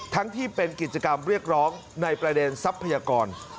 ทั้งที่เป็นกิจกรรมเรียกร้องในประเด็นทรัพยากร